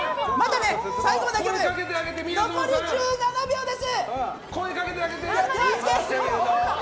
残り１７秒です！